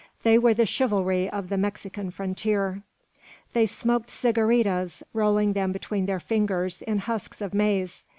They were the chivalry of the Mexican frontier. They smoked cigaritas, rolling them between their fingers in husks of maize.